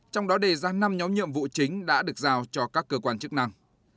trong đó đề ra năm nhóm nhiệm vụ chính đã được giao cho các cơ quan chức năng